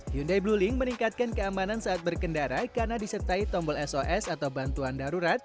hyundai blueling meningkatkan keamanan saat berkendara karena disertai tombol sos atau bantuan darurat